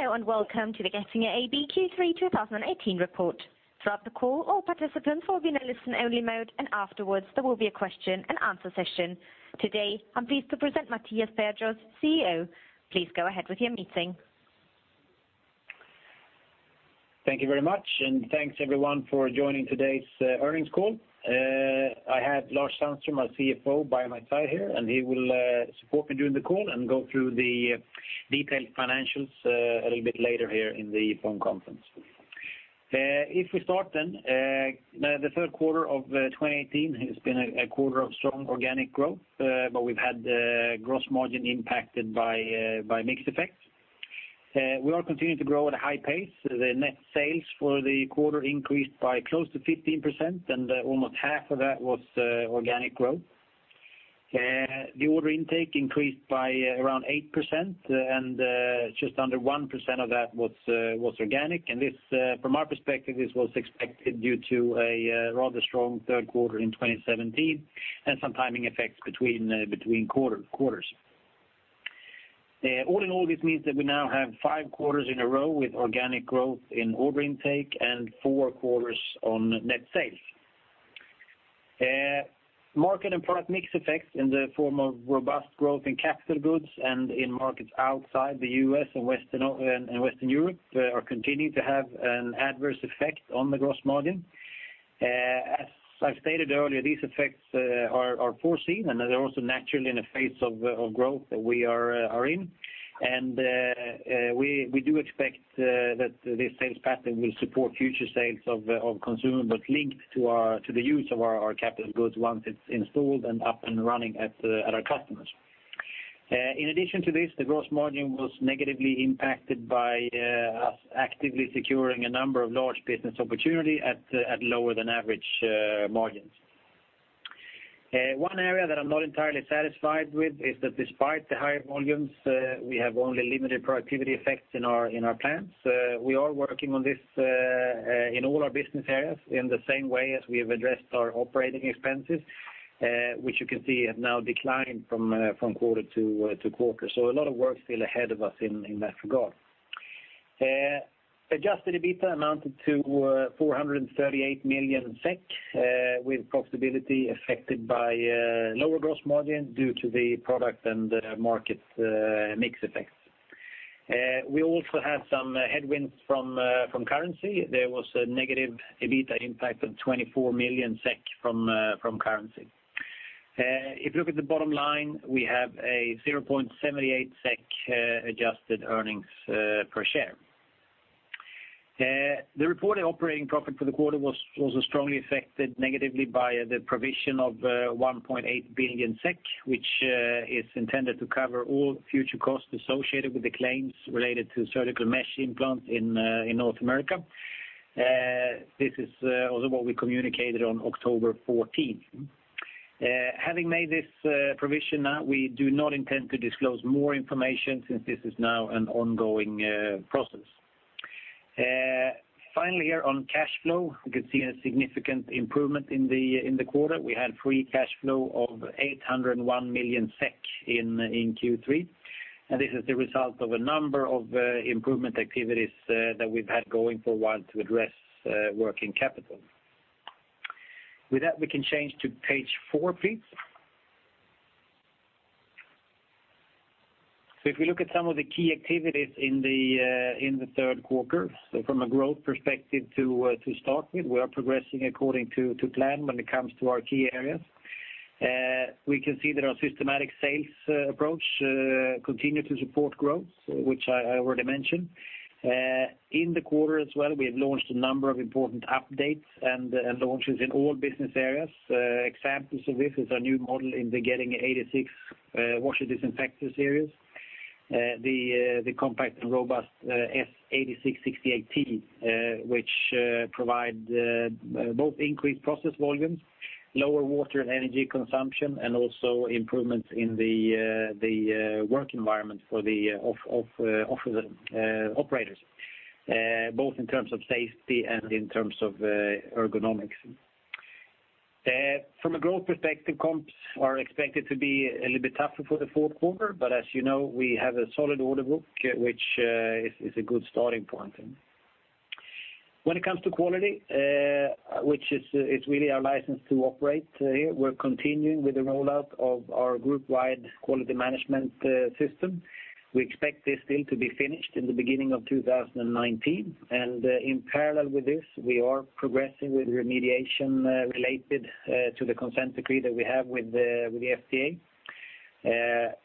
Hello, and welcome to the Getinge AB Q3 2018 report. Throughout the call, all participants will be in a listen-only mode, and afterwards, there will be a question-and-answer session. Today, I'm pleased to present Mattias Perjos, CEO. Please go ahead with your meeting. Thank you very much, and thanks, everyone, for joining today's earnings call. I have Lars Sandström, my CFO, by my side here, and he will support me during the call and go through the detailed financials a little bit later here in the phone conference. If we start then, the Q3 of 2018 has been a quarter of strong organic growth, but we've had the gross margin impacted by mixed effects. We are continuing to grow at a high pace. The net sales for the quarter increased by close to 15%, and almost half of that was organic growth. The order intake increased by around 8%, and just under 1% of that was organic, and this, from our perspective, was expected due to a rather strong Q3 in 2017, and some timing effects between quarters. All in all, this means that we now have five quarters in a row with organic growth in order intake and four quarters on net sales. Market and product mix effects in the form of robust growth in capital goods and in markets outside the U.S. and Western Europe are continuing to have an adverse effect on the gross margin. As I've stated earlier, these effects are foreseen, and they're also naturally in a phase of growth that we are in. We do expect that this sales pattern will support future sales of consumables linked to our—to the use of our capital goods once it's installed and up and running at our customers. In addition to this, the gross margin was negatively impacted by us actively securing a number of large business opportunity at lower-than-average margins. One area that I'm not entirely satisfied with is that despite the higher volumes, we have only limited productivity effects in our plans. We are working on this in all our business areas in the same way as we have addressed our operating expenses, which you can see have now declined from quarter to quarter, so a lot of work still ahead of us in that regard. Adjusted EBITDA amounted to 438 million SEK, with profitability affected by lower gross margin due to the product and the market mix effects. We also had some headwinds from currency. There was a negative EBITDA impact of 24 million SEK from currency. If you look at the bottom line, we have a 0.78 SEK adjusted earnings per share. The reported operating profit for the quarter was strongly affected negatively by the provision of 1.8 billion SEK, which is intended to cover all future costs associated with the claims related to surgical mesh implants in North America. This is also what we communicated on 14 October. Having made this provision now, we do not intend to disclose more information since this is now an ongoing process. Finally, here on cash flow, you can see a significant improvement in the quarter. We had free cash flow of 801 million SEK in Q3, and this is the result of a number of improvement activities that we've had going for a while to address working capital. With that, we can change to page four, please. So if we look at some of the key activities in the Q3, from a growth perspective to start with, we are progressing according to plan when it comes to our key areas. We can see that our systematic sales approach continue to support growth, which I already mentioned. In the quarter as well, we have launched a number of important updates and launches in all business areas. Examples of this is our new model in the Getinge 86 Washer Disinfector series. The compact and robust Getinge S-8668T, which provide both increased process volumes, lower water and energy consumption, and also improvements in the work environment for the operators, both in terms of safety and in terms of ergonomics. From a growth perspective, comps are expected to be a little bit tougher for the Q4, but as you know, we have a solid order book, which is a good starting point. When it comes to quality, which is really our license to operate here, we're continuing with the rollout of our group-wide quality management system. We expect this still to be finished in the beginning of 2019, and in parallel with this, we are progressing with remediation related to the consent decree that we have with the FDA.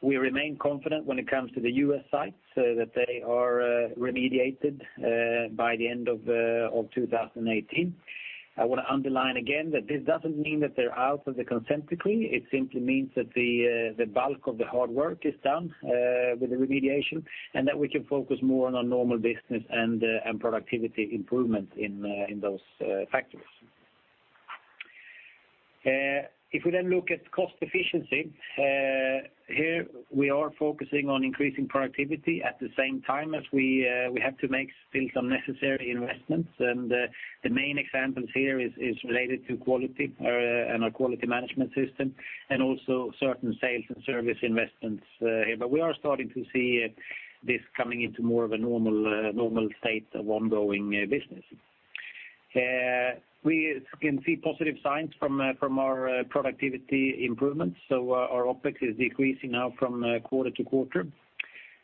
We remain confident when it comes to the U.S. sites that they are remediated by the end of 2018. I want to underline again that this doesn't mean that they're out of the consent decree. It simply means that the bulk of the hard work is done with the remediation, and that we can focus more on our normal business and productivity improvement in those factors. If we then look at cost efficiency, here, we are focusing on increasing productivity at the same time as we have to make still some necessary investments, and the main examples here is related to quality, and our quality management system, and also certain sales and service investments, here. But we are starting to see this coming into more of a normal state of ongoing business. We can see positive signs from our productivity improvements. So our OpEx is decreasing now from quarter to quarter.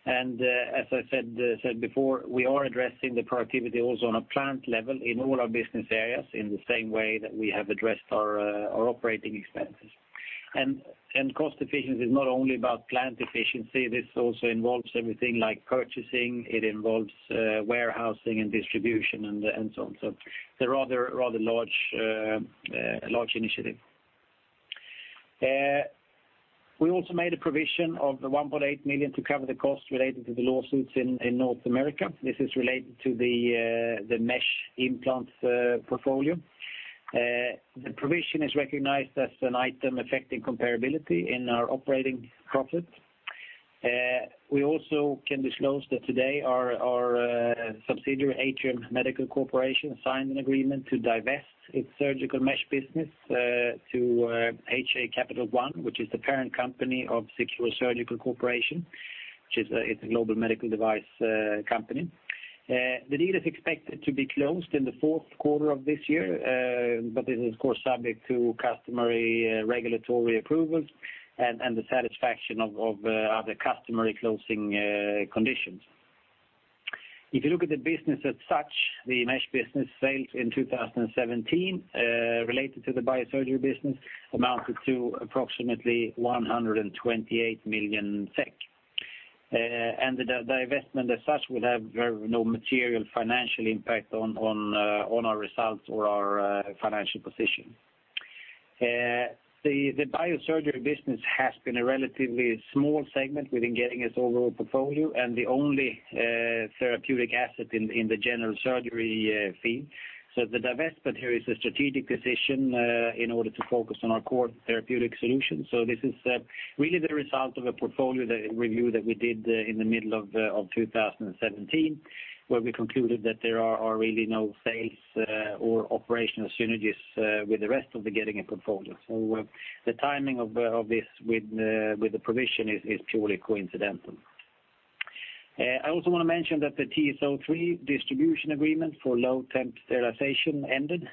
And, as I said before, we are addressing the productivity also on a plant level in all our business areas, in the same way that we have addressed our operating expenses. Cost efficiency is not only about plant efficiency. This also involves everything like purchasing. It involves warehousing and distribution, and so on. So they're rather large initiative. We also made a provision of 1.8 million to cover the costs related to the lawsuits in North America. This is related to the mesh implants portfolio. The provision is recognized as an item affecting comparability in our operating profit. We also can disclose that today our subsidiary, Atrium Medical Corporation, signed an agreement to divest its surgical mesh business to HJ Capital 1, which is the parent company of SeCQure Surgical Corporation, which is a global medical device company. The deal is expected to be closed in the Q4 of this year, but this is, of course, subject to customary regulatory approvals and the satisfaction of other customary closing conditions. If you look at the business as such, the mesh business sales in 2017 related to the biosurgery business amounted to approximately 128 million SEK. And the divestment as such would have very no material financial impact on our results or our financial position. The biosurgery business has been a relatively small segment within Getinge's overall portfolio, and the only therapeutic asset in the general surgery field. So the divestment here is a strategic decision in order to focus on our core therapeutic solutions. So this is really the result of a portfolio that review that we did in the middle of 2017, where we concluded that there are really no sales or operational synergies with the rest of the Getinge portfolio. So the timing of this with the provision is purely coincidental. I also want to mention that the TSO3 distribution agreement for low temp sterilization ended,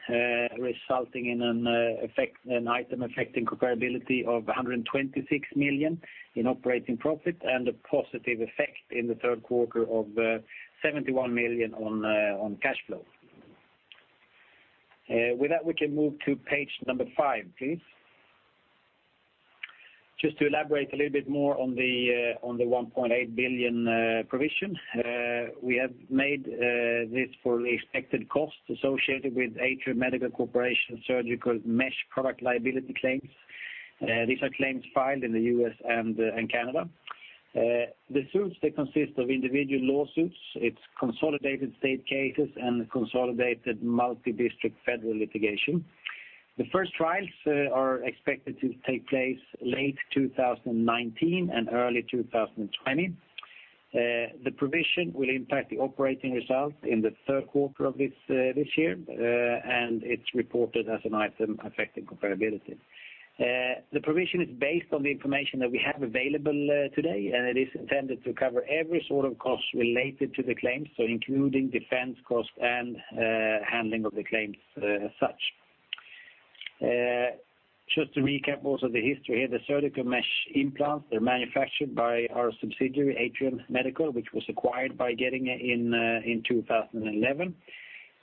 resulting in an item affecting comparability of 126 million in operating profit, and a positive effect in the Q3 of 71 million on cash flow. With that, we can move to page number five, please. Just to elaborate a little bit more on the 1.8 billion provision we have made, this for the expected costs associated with Atrium Medical Corporation surgical mesh product liability claims. These are claims filed in the U.S. and Canada. The suits, they consist of individual lawsuits. It's consolidated state cases and consolidated multi-district federal litigation. The first trials are expected to take place late 2019 and early 2020. The provision will impact the operating results in the Q3 of this year, and it's reported as an item affecting comparability. The provision is based on the information that we have available today, and it is intended to cover every sort of cost related to the claims, so including defense costs and handling of the claims as such. Just to recap also the history here, the surgical mesh implants, they're manufactured by our subsidiary, Atrium Medical, which was acquired by Getinge in 2011.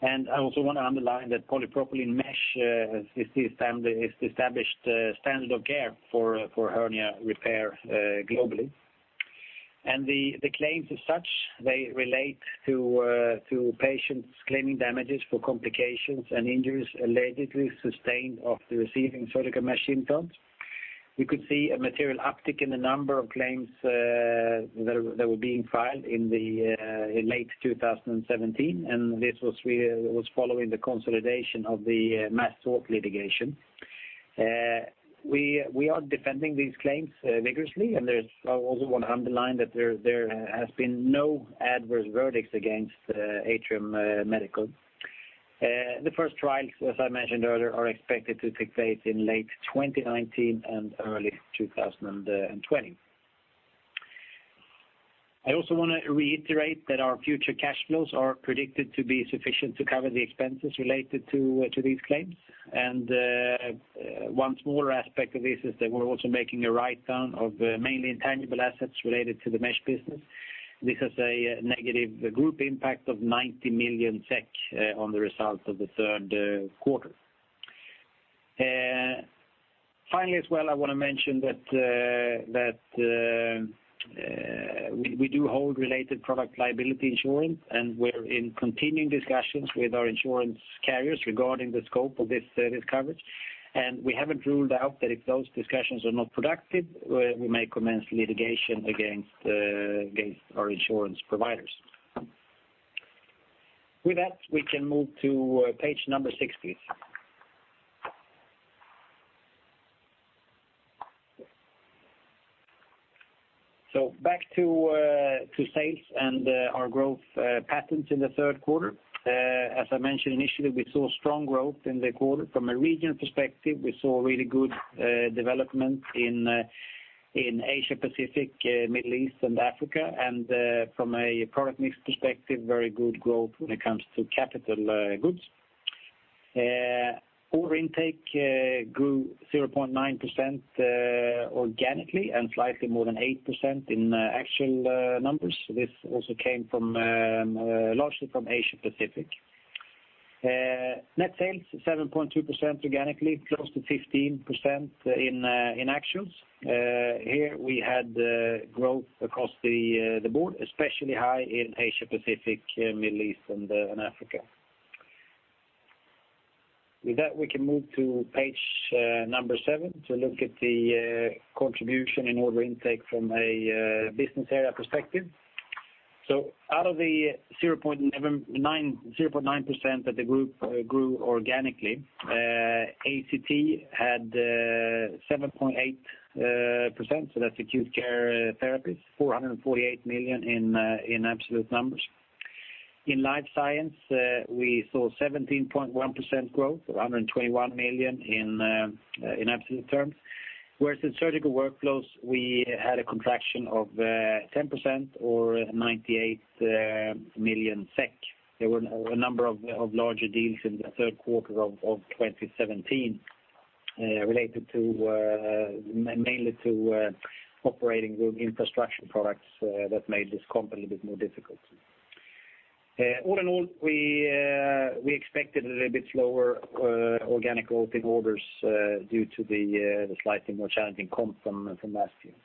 And I also want to underline that polypropylene mesh is the established standard of care for hernia repair globally. And the claims as such, they relate to patients claiming damages for complications and injuries allegedly sustained after receiving surgical mesh implants. We could see a material uptick in the number of claims that were being filed in late 2017, and this was following the consolidation of the mass tort litigation. We are defending these claims vigorously, and I also want to underline that there has been no adverse verdicts against Atrium Medical. The first trials, as I mentioned earlier, are expected to take place in late 2019 and early 2020. I also want to reiterate that our future cash flows are predicted to be sufficient to cover the expenses related to these claims. One smaller aspect of this is that we're also making a write-down of mainly intangible assets related to the mesh business. This has a negative group impact of 90 million SEK on the results of the Q3. Finally, as well, I want to mention that we do hold related product liability insurance, and we're in continuing discussions with our insurance carriers regarding the scope of this coverage. And we haven't ruled out that if those discussions are not productive, we may commence litigation against our insurance providers. With that, we can move to page number six, please. So back to sales and our growth patterns in the Q3. As I mentioned initially, we saw strong growth in the quarter. From a regional perspective, we saw really good development in Asia Pacific, Middle East, and Africa, and from a product mix perspective, very good growth when it comes to capital goods. Order intake grew 0.9% organically, and slightly more than 8% in actual numbers. This also came largely from Asia Pacific. Net sales 7.2% organically, close to 15% in actuals. Here we had growth across the board, especially high in Asia Pacific, Middle East, and Africa. With that, we can move to page number seven to look at the contribution in order intake from a business area perspective. So out of the 0.9% that the group grew organically, ACT had 7.8%, so that's Acute Care Therapies, 448 million in absolute numbers. In Life Science, we saw 17.1% growth, or 121 million in absolute terms, whereas in Surgical Workflows, we had a contraction of 10% or 98 million SEK. There were a number of larger deals in the Q3 of 2017, related to mainly to operating room infrastructure products, that made this comp a little bit more difficult. All in all, we expected a little bit slower organic growth in orders due to the slightly more challenging comp from last year.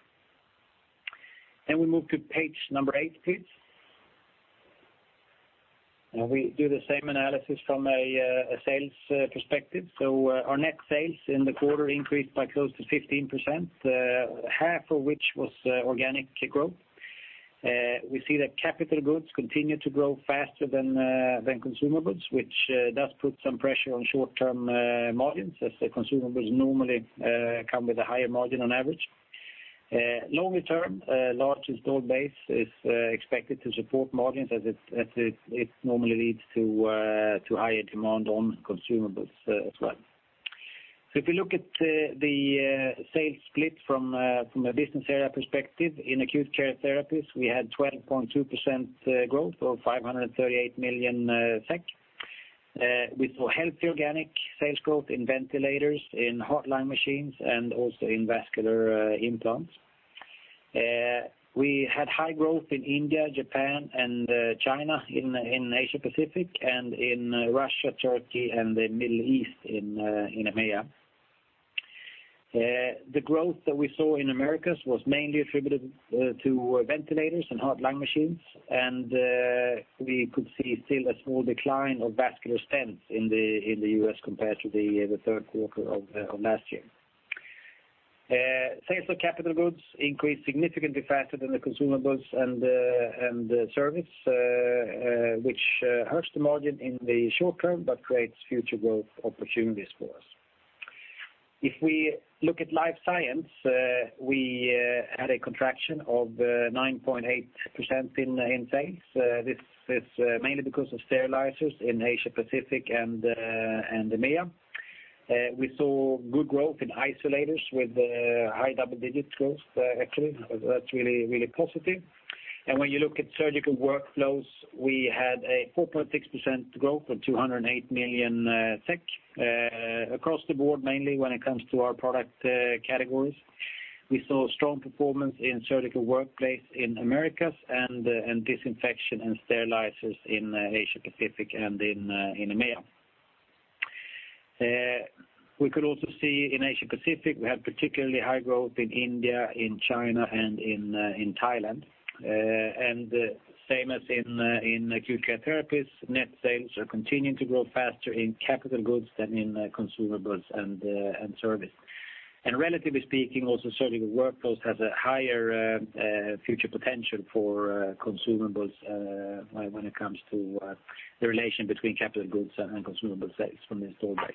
Then we move to page number eight, please. And we do the same analysis from a sales perspective. So, our net sales in the quarter increased by close to 15%, half of which was organic growth. We see that capital goods continue to grow faster than consumables, which does put some pressure on short-term margins, as the consumables normally come with a higher margin on average. Longer term, a larger install base is expected to support margins as it normally leads to higher demand on consumables as well. If you look at the sales split from a business area perspective, in Acute Care Therapies, we had 12.2% growth, or 538 million SEK. We saw healthy organic sales growth in ventilators, in heart-lung machines, and also in vascular implants. We had high growth in India, Japan, and China, in Asia Pacific, and in Russia, Turkey, and the Middle East in EMEA. The growth that we saw in Americas was mainly attributed to ventilators and heart-lung machines, and we could see still a small decline of vascular stents in the U.S. compared to the Q3 of last year. Sales of capital goods increased significantly faster than the consumables and the service, which hurts the margin in the short term, but creates future growth opportunities for us. If we look at Life Science, we had a contraction of 9.8% in sales. This is mainly because of sterilizers in Asia Pacific and EMEA. We saw good growth in isolators with high double-digit growth, actually, that's really, really positive. And when you look at Surgical Workflows, we had a 4.6% growth of 208 million SEK across the board, mainly when it comes to our product categories. We saw strong performance in surgical workplace in Americas and disinfection and sterilizers in Asia Pacific and in EMEA. We could also see in Asia Pacific, we had particularly high growth in India, in China, and in Thailand. Same as in Acute Care Therapies, net sales are continuing to grow faster in capital goods than in consumables and service. Relatively speaking, Surgical Workflows has a higher future potential for consumables when it comes to the relation between capital goods and consumables sales from the install base.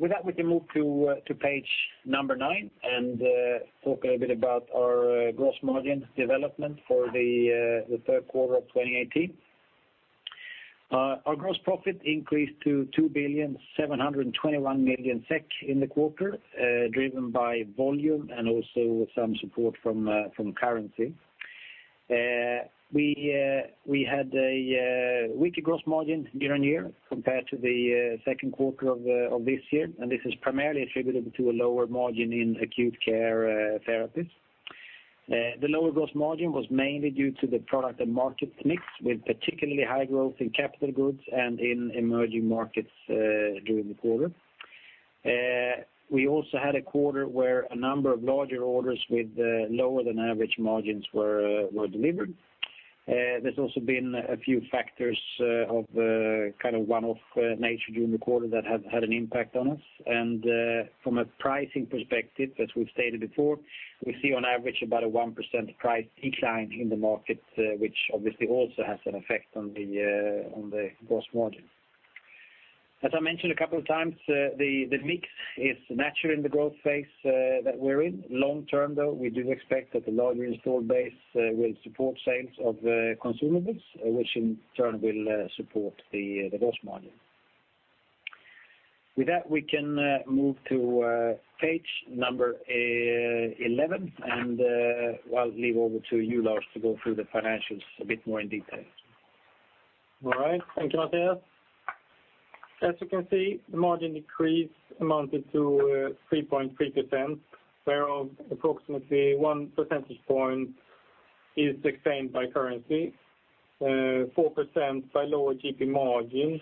With that, we can move to page number nine and talk a bit about our gross margin development for the Q3 of 2018. Our gross profit increased to 2,721 million SEK in the quarter, driven by volume and also with some support from currency. We had a weaker gross margin year-on-year compared to the Q2 of this year, and this is primarily attributable to a lower margin in Acute Care Therapies. The lower gross margin was mainly due to the product and market mix, with particularly high growth in capital goods and in emerging markets during the quarter. We also had a quarter where a number of larger orders with lower-than-average margins were delivered. There's also been a few factors of kind of one-off nature during the quarter that have had an impact on us. From a pricing perspective, as we've stated before, we see on average about a 1% price decline in the market, which obviously also has an effect on the gross margin. As I mentioned a couple of times, the mix is natural in the growth phase that we're in. Long term, though, we do expect that the larger install base will support sales of consumables, which in turn will support the gross margin. With that, we can move to page 11, and I'll leave over to you, Lars, to go through the financials a bit more in detail. All right. Thank you, Mattias. As you can see, the margin decrease amounted to 3.3%, whereof approximately one percentage point is explained by currency, 4% by lower GP margin,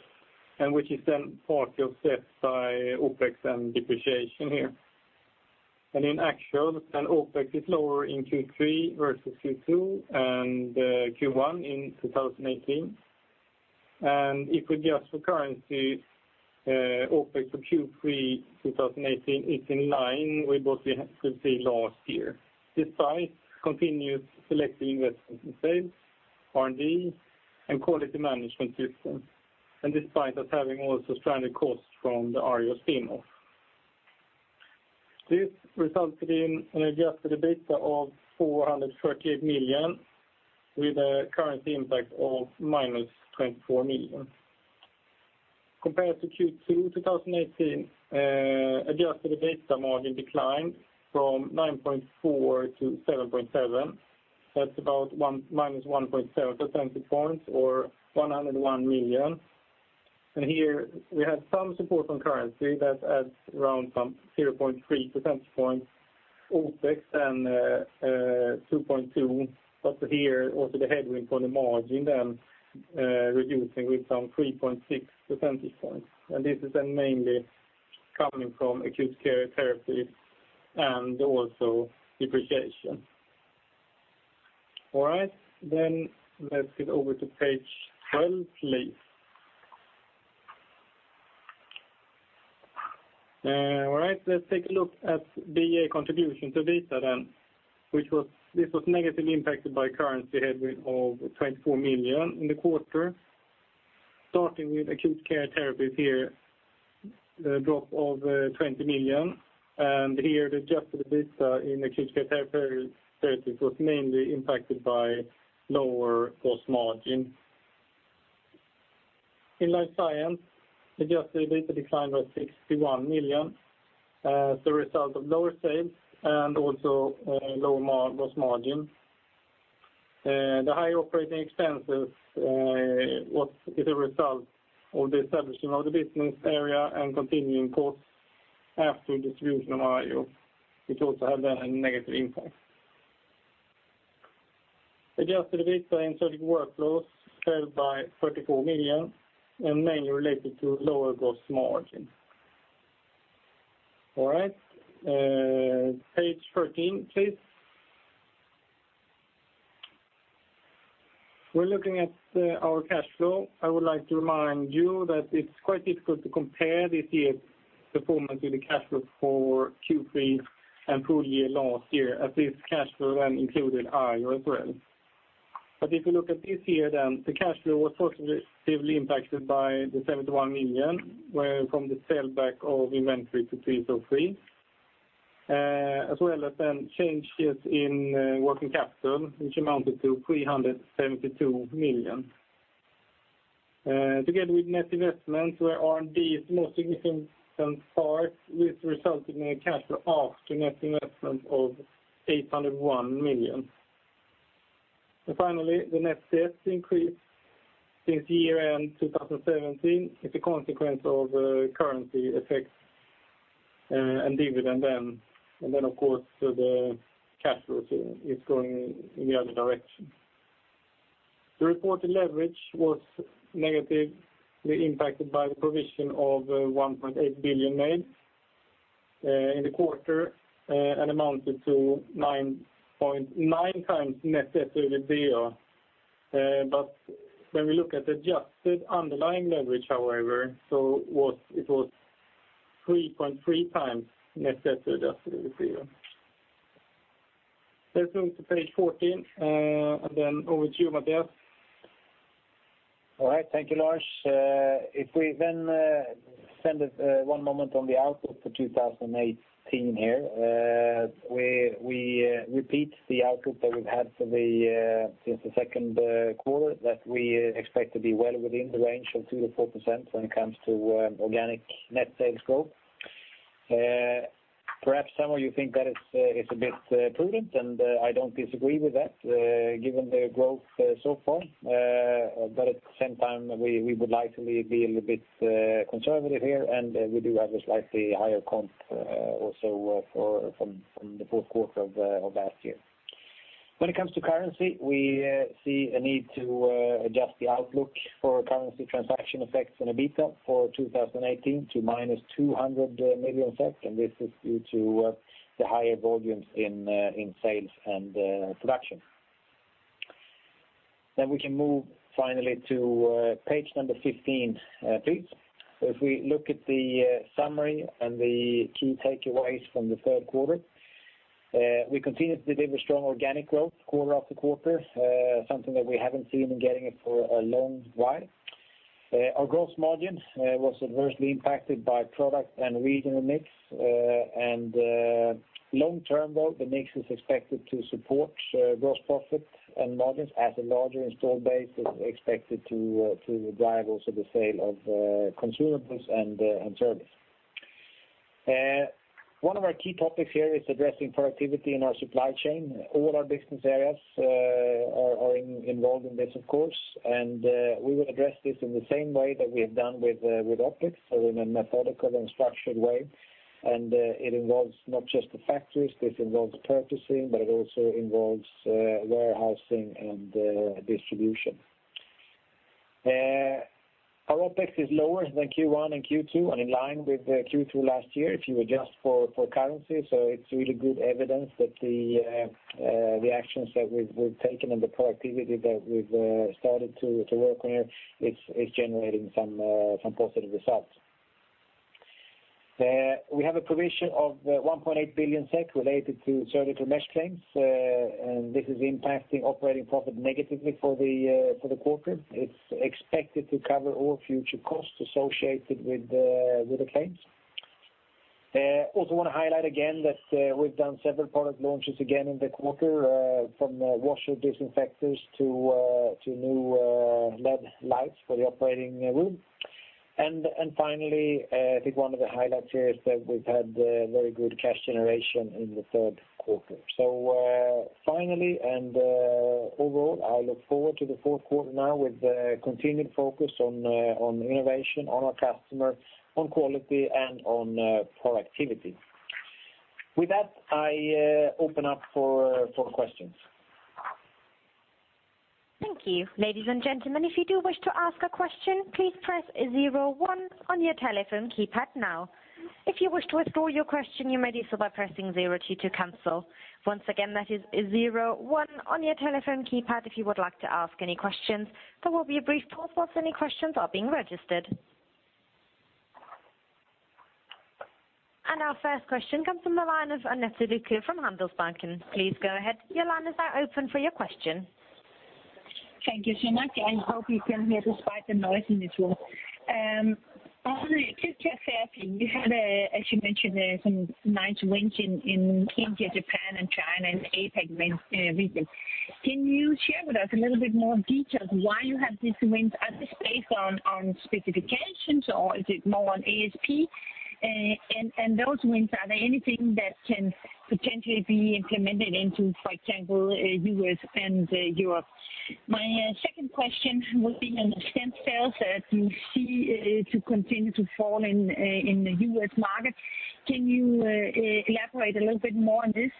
and which is then partly offset by OpEx and depreciation here. Actually, then OpEx is lower in Q3 versus Q2 and Q1 in 2018. If we adjust for currency, OpEx for Q3 2018 is in line with what we had, we could see last year, despite continued selective investments in sales, R&D, and quality management system, and despite us having also stranded costs from the Arjo spin-off. This resulted in an adjusted EBITDA of 438 million, with a currency impact of -24 million. Compared to Q2 2018, adjusted EBITDA margin declined from 9.4% to 7.7%. That's about 1 minus 1.7 percentage points, or 101 million. Here, we had some support from currency that adds around some 0.3 percentage points, OpEx and 2.2. But here, also the headwind on the margin, then, reducing with some 3.6 percentage points. And this is then mainly coming from Acute Care Therapies and also depreciation. All right, then let's get over to page 12, please. All right, let's take a look at BA contribution to EBITDA then, which was—this was negatively impacted by currency headwind of 24 million in the quarter. Starting with Acute Care Therapies here, the drop of 20 million, and here, the adjusted EBITDA in Acute Care Therapies was mainly impacted by lower gross margin. In Life Science, Adjusted EBITDA declined by 61 million as a result of lower sales and also lower gross margin. The high operating expenses is a result of the establishing of the business area and continuing costs after distribution of Arjo, which also had a negative impact. Adjusted EBITDA in Surgical Workflows fell by 34 million and mainly related to lower gross margin. All right, page 13, please. We're looking at our cash flow. I would like to remind you that it's quite difficult to compare this year's performance with the cash flow for Q3 and full year last year, as this cash flow then included Arjo as well. But if you look at this year, then the cash flow was positively impacted by the 71 million, where from the sale back of inventory to TSO3, as well as then changes in working capital, which amounted to 372 million. Together with net investments, where R&D is the most significant part, which resulted in a cash flow after net investment of 801 million. And finally, the net debt increased since year-end 2017 as a consequence of currency effects and dividend then, and then, of course, the cash flow is going in the other direction. The reported leverage was negatively impacted by the provision of 1.8 billion made in the quarter and amounted to 9.9 times net debt to EBITDA. But when we look at adjusted underlying leverage, however, it was 3.3 times net debt to adjusted EBITDA. Let's move to page 14, and then over to you, Mattias. All right. Thank you, Lars. If we then spend one moment on the outlook for 2018 here, we repeat the outlook that we've had since the Q2, that we expect to be well within the range of 2%-4% when it comes to organic net sales growth. Perhaps some of you think that is a bit prudent, and I don't disagree with that, given the growth so far. But at the same time, we would like to be a little bit conservative here, and we do have a slightly higher comp, also, for the Q4 of last year. When it comes to currency, we see a need to adjust the outlook for currency transaction effects on EBITDA for 2018 to -200 million effect, and this is due to the higher volumes in sales and production. Then we can move finally to page number 15, please. If we look at the summary and the key takeaways from the Q3, we continue to deliver strong organic growth quarter after quarter, something that we haven't seen Getinge for a long while. Our gross margin was adversely impacted by product and regional mix, and long-term, though, the mix is expected to support gross profit and margins as a larger install base is expected to drive also the sale of consumables and service. One of our key topics here is addressing productivity in our supply chain. All our business areas are involved in this, of course, and we will address this in the same way that we have done with OpEx, so in a methodical and structured way. It involves not just the factories. This involves purchasing, but it also involves warehousing and distribution. Our OpEx is lower than Q1 and Q2, and in line with Q2 last year, if you adjust for currency. So it's really good evidence that the actions that we've taken and the productivity that we've started to work on here, it's generating some positive results. We have a provision of 1.8 billion SEK related to surgical mesh claims. And this is impacting operating profit negatively for the quarter. It's expected to cover all future costs associated with the claims. Also wanna highlight again that we've done several product launches again in the quarter, from washer disinfectors to new LED lights for the operating room. And finally, I think one of the highlights here is that we've had very good cash generation in the Q3. So, finally, and overall, I look forward to the Q4 now with continued focus on innovation, on our customer, on quality, and on productivity. With that, I open up for questions. Thank you. Ladies and gentlemen, if you do wish to ask a question, please press zero-one on your telephone keypad now. If you wish to withdraw your question, you may do so by pressing zero-two to cancel. Once again, that is zero-one on your telephone keypad if you would like to ask any questions. There will be a brief pause while any questions are being registered. Our first question comes from the line of Annette Lykke from Handelsbanken. Please go ahead, your line is now open for your question. Thank you, Jean-Marc. I hope you can hear despite the noise in this room. On acute care therapy, you had, as you mentioned, some nice wins in India, Japan, and China, and APAC region. Can you share with us a little bit more in detail why you have these wins? Are this based on specifications, or is it more on ASP? And those wins, are there anything that can potentially be implemented into, for example, US and Europe? My second question would be on stent sales that you see to continue to fall in the US market. Can you elaborate a little bit more on this?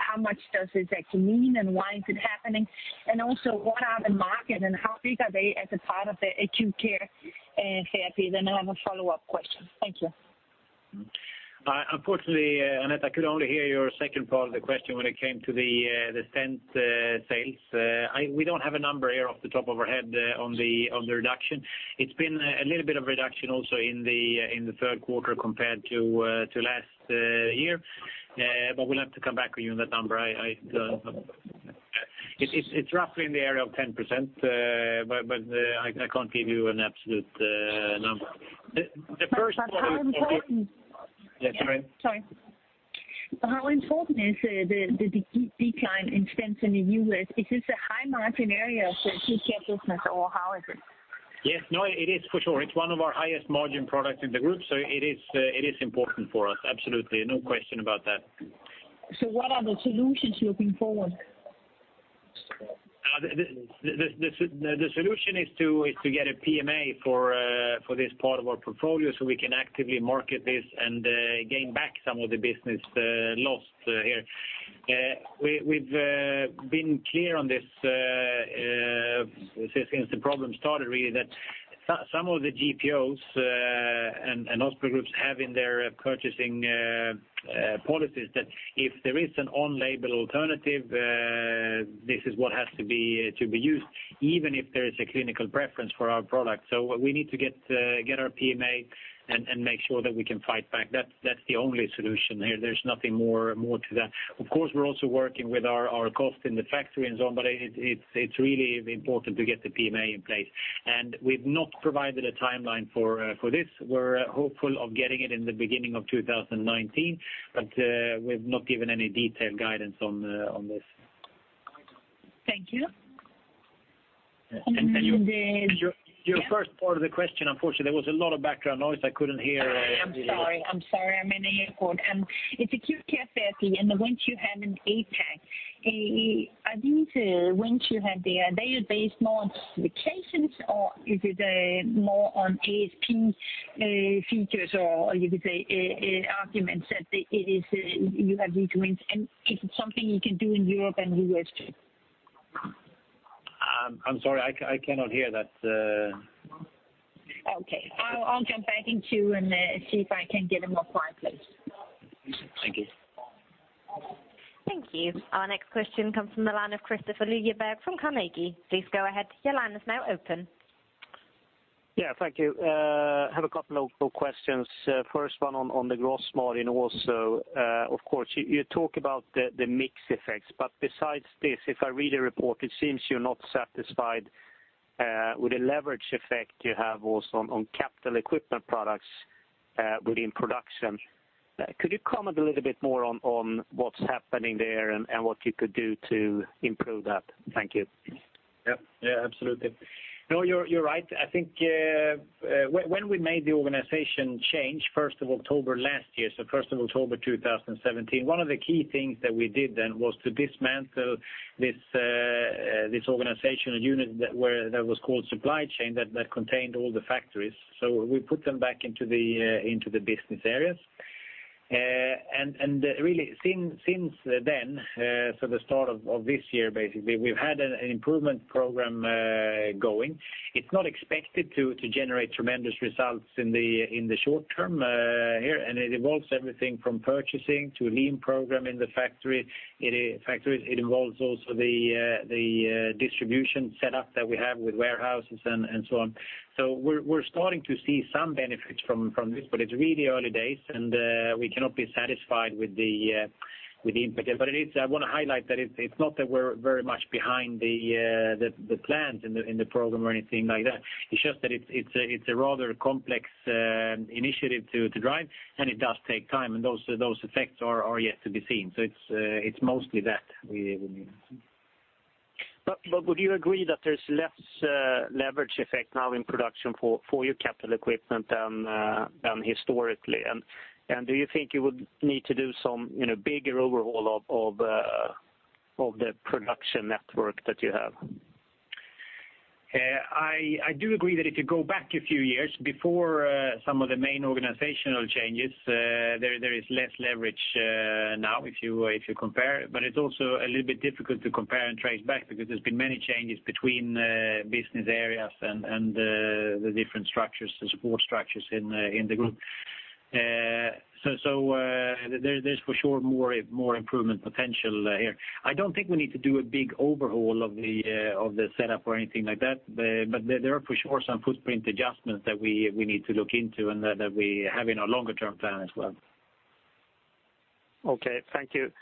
How much does this actually mean, and why is it happening? And also, what are the market, and how big are they as a part of the acute care therapy? Then I have a follow-up question. Thank you. Unfortunately, Annette, I could only hear your second part of the question when it came to the stent sales. We don't have a number here off the top of our head on the reduction. It's been a little bit of reduction also in the Q3 compared to last year. But we'll have to come back with you on that number. It's roughly in the area of 10%, but I can't give you an absolute number. The first one- But how important- Yeah, sorry? Sorry. How important is the decline in stents in the U.S.? Is this a high-margin area for acute care business, or how is it? Yes. No, it is for sure. It's one of our highest margin products in the group, so it is, it is important for us, absolutely. No question about that. What are the solutions looking forward? The solution is to get a PMA for this part of our portfolio, so we can actively market this and gain back some of the business lost here. We've been clear on this since the problem started, really, that some of the GPOs and hospital groups have in their purchasing policies that if there is an on-label alternative, this is what has to be used, even if there is a clinical preference for our product. So what we need to get our PMA and make sure that we can fight back. That's the only solution here. There's nothing more to that. Of course, we're also working with our cost in the factory and so on, but it's really important to get the PMA in place. We've not provided a timeline for this. We're hopeful of getting it in the beginning of 2019, but we've not given any detailed guidance on this. Thank you. And your, your- Yeah. Your first part of the question, unfortunately, there was a lot of background noise. I couldn't hear, your- I'm sorry. I'm sorry. I'm in an airport. It's acute care therapy, and the wins you have in APAC, are these wins you have there, they are based more on specifications, or is it more on ASP features, or you could say arguments, that it is you have these wins? And is it something you can do in Europe and U.S., too? I'm sorry, I cannot hear that. Okay. I'll get back in and see if I can get a more quiet place. Thank you. Thank you. Our next question comes from the line of Kristofer Liljeberg from Carnegie. Please go ahead. Your line is now open. Yeah, thank you. Have a couple of questions. First one on the gross margin, also. Of course, you talk about the mix effects, but besides this, if I read the report, it seems you're not satisfied with the leverage effect you have also on capital equipment products within production. Could you comment a little bit more on what's happening there and what you could do to improve that? Thank you. Yep. Yeah, absolutely. No, you're, you're right. I think, when we made the organizational change first of October last year, so first of October 2017, one of the key things that we did then was to dismantle this, this organizational unit that that was called supply chain, that contained all the factories. So we put them back into the, into the business areas. And really, since then, so the start of this year, basically, we've had an improvement program going. It's not expected to generate tremendous results in the short term here, and it involves everything from purchasing to lean program in the factory, in factories. It involves also the distribution setup that we have with warehouses and so on. So we're starting to see some benefits from this, but it's really early days, and we cannot be satisfied with the impact. But it is. I want to highlight that it's not that we're very much behind the plans in the program or anything like that. It's just that it's a rather complex initiative to drive, and it does take time, and those effects are yet to be seen. So it's mostly that we need. But would you agree that there's less leverage effect now in production for your capital equipment than historically? And do you think you would need to do some, you know, bigger overhaul of the production network that you have? I do agree that if you go back a few years before some of the main organizational changes, there is less leverage now, if you compare. But it's also a little bit difficult to compare and trace back because there's been many changes between business areas and the different structures, the support structures in the group. So, there is for sure more improvement potential here. I don't think we need to do a big overhaul of the setup or anything like that. But there are for sure some footprint adjustments that we need to look into and that we have in our longer-term plan as well. Okay, thank you.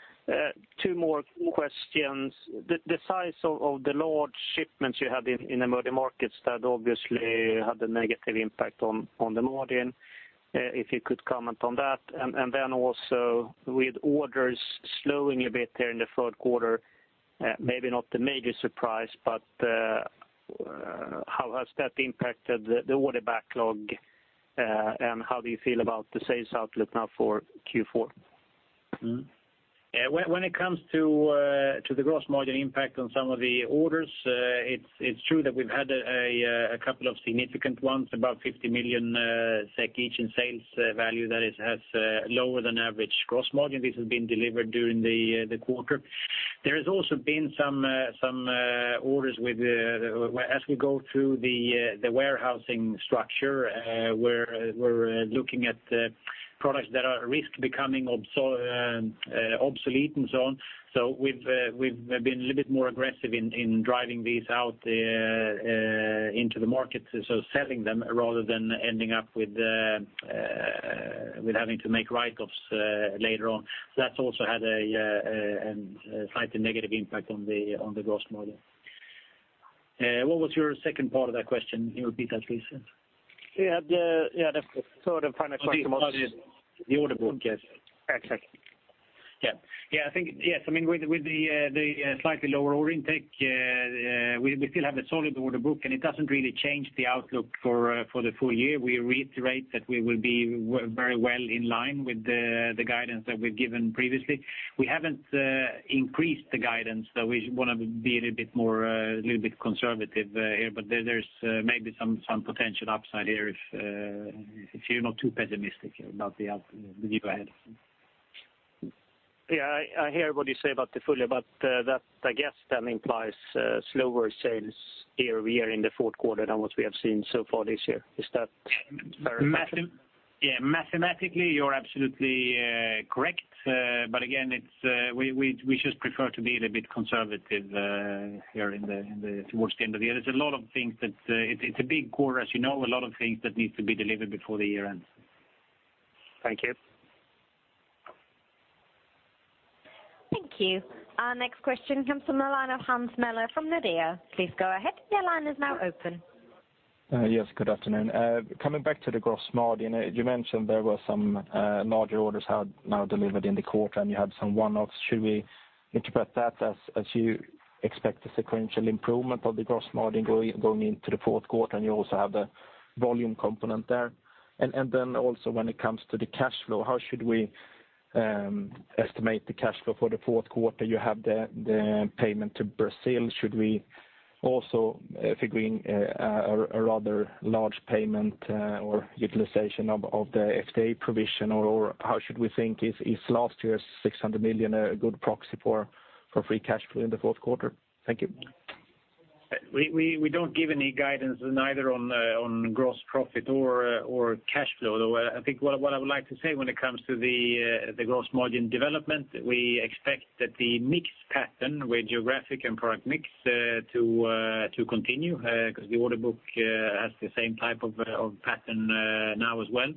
Two more questions. The size of the large shipments you had in emerging markets that obviously had a negative impact on the margin, if you could comment on that. And then also, with orders slowing a bit there in the Q3, maybe not the major surprise, but how has that impacted the order backlog, and how do you feel about the sales outlook now for Q4? Mm-hmm. Yeah, when it comes to the gross margin impact on some of the orders, it's true that we've had a couple of significant ones, about 50 million SEK each in sales value that has lower than average gross margin. This has been delivered during the quarter. There has also been some orders with, as we go through the warehousing structure, we're looking at products that are at risk of becoming obsolete and so on. So we've been a little bit more aggressive in driving these out into the market. So selling them rather than ending up with having to make write-offs later on. That's also had a slightly negative impact on the gross margin. What was your second part of that question? Can you repeat that, please? Yeah, the third and final question was- The order book. Yes, exactly. Yeah. Yeah, I think, yes, I mean, with, with the slightly lower order intake, we still have a solid order book, and it doesn't really change the outlook for the full year. We reiterate that we will be very well in line with the guidance that we've given previously. We haven't increased the guidance, so we want to be a little bit more, a little bit conservative here. But there, there's maybe some potential upside here if you're not too pessimistic about the way ahead. Yeah, I hear what you say about the full year, but that, I guess that implies slower sales year-over-year in the Q4 than what we have seen so far this year. Is that fair assumption? Yeah, mathematically, you're absolutely correct. But again, it's we just prefer to be a little bit conservative here towards the end of the year. There's a lot of things that... It's a big quarter, as you know, a lot of things that needs to be delivered before the year ends. Thank you. Thank you. Our next question comes from the line of Hans Mähler from Nordea. Please go ahead, your line is now open. Yes, good afternoon. Coming back to the gross margin, you mentioned there were some larger orders had now delivered in the quarter, and you had some one-offs. Should we interpret that as you expect a sequential improvement of the gross margin going into the Q4, and you also have the volume component there? Then also when it comes to the cash flow, how should we estimate the cash flow for the Q4? You have the payment to Brazil. Should we also figure in a rather large payment or utilization of the FDA provision? Or how should we think, is last year's 600 million a good proxy for free cash flow in the Q4? Thank you. We don't give any guidance neither on gross profit or cash flow, though I think what I would like to say when it comes to the gross margin development, we expect that the mix pattern with geographic and product mix to continue because the order book has the same type of pattern now as well.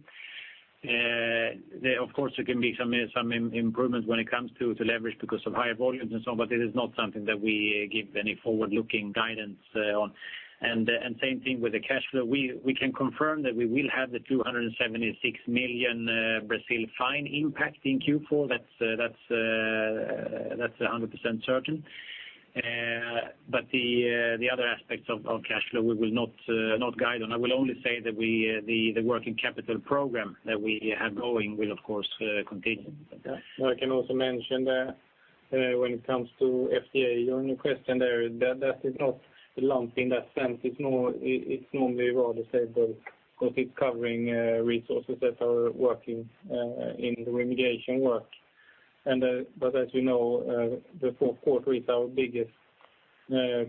There, of course, there can be some improvement when it comes to leverage because of higher volumes and so on, but it is not something that we give any forward-looking guidance on. And same thing with the cash flow. We can confirm that we will have the 276 million Brazil fine impact in Q4. That's 100% certain. But the other aspects of cash flow, we will not guide on. I will only say that the working capital program that we have going will, of course, continue. Yeah. I can also mention that, when it comes to FDA, your only question there, that is not a lump in that sense. It's more, it's normally rather stable, because it's covering resources that are working in the remediation work. And, but as you know, the Q4 is our biggest